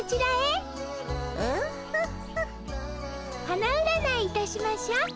花うらないいたしましょ。